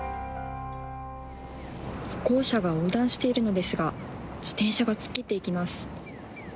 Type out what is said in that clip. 歩行者が横断しているのですが自転車が突っ切っていきます。